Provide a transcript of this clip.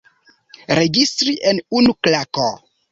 Registri en unu klako.